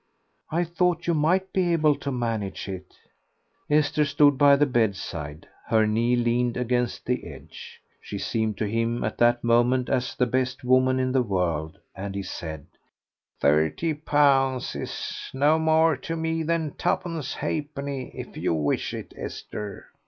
"I thought you might be able to manage it." Esther stood by the bedside, her knee leaned against the edge. She seemed to him at that moment as the best woman in the world, and he said "Thirty pounds is no more to me than two pence halfpenny if you wish it, Esther."